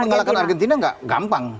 dan mengalahkan argentina tidak gampang